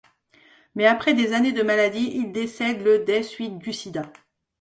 Mais après des années de maladie, il décède le des suites du Sida.